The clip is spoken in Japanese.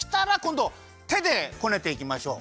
どてでこねていきましょう。